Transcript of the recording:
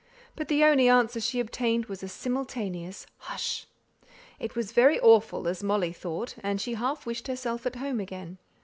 But the only answer she obtained was a simultaneous "hush." It was very awful, as Molly thought, and she half wished herself at home again.